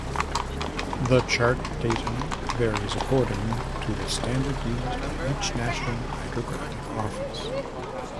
The chart datum varies according to the standard used by each national Hydrographic Office.